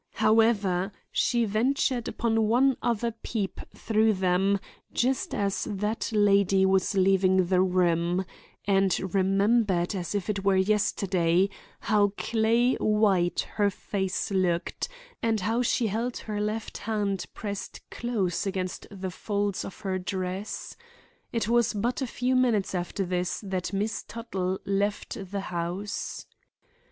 However, she ventured upon one other peep through them just as that lady was leaving the room, and remembered as if it were yesterday how clay white her face looked, and how she held her left hand pressed close against the folds of her dress. It was but a few minutes after this that Miss Tuttle left the house.